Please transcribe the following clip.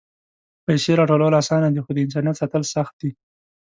پېسې راټولول آسانه دي، خو د انسانیت ساتل سخت دي.